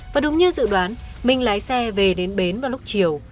và đúng như dự đoán minh lái xe về đến bến vào lúc chiều